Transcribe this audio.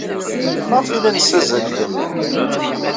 Maɣef ay la nessazzal idammen?